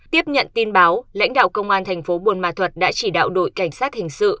tiếp nhận tin báo lãnh đạo công an thành phố buôn ma thuật đã chỉ đạo đội cảnh sát hình sự